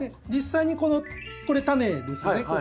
実際にこれタネですよね